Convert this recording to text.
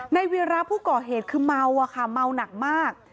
เวียระผู้ก่อเหตุคือเมาอะค่ะเมาหนักมาก